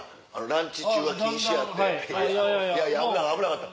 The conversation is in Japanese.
「ランチ中は禁止や」っていやいや危なかった。